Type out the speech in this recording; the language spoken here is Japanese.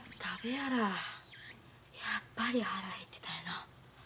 やっぱり腹減ってたんやな。